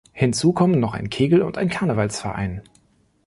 Hinzu kommen noch ein Kegel- und ein Karnevalsverein.